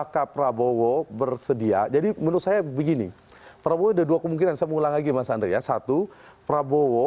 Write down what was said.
kalau menurut mas santa